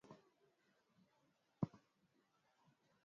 Kiungo changu.